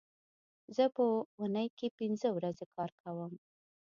زه په اونۍ کې پینځه ورځې کار کوم